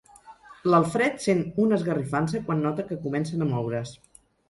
L'Alfred sent una esgarrifança quan nota que comencen a moure's.